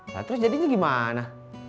lah terus jadinya gimana